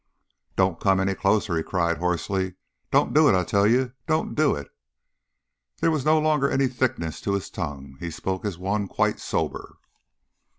"Don't come any closer," he cried, hoarsely. "Don't do it, I tell you! Don't do it!'" There was no longer any thickness to his tongue; he spoke as one quite sober.